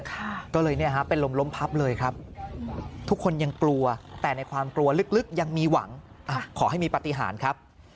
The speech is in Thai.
ก็เลยเนี่ยฮะเป็นลมล้มพับเลยครับทุกคนยังกลัวแต่ในความกลัวลึกยังมีหวังอ่ะขอให้มีปฏิหารครับ